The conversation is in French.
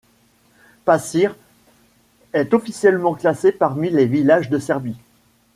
Pačir est officiellement classé parmi les villages de Serbie.